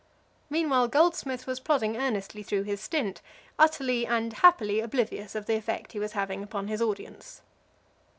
Meanwhile, Goldsmith was plodding earnestly through his stint, utterly and happily oblivious of the effect he was having upon his audience.